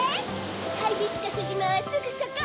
ハイビスカスじまはすぐそこ。